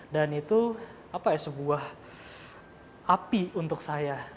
dan itu apa ya sebuah api untuk saya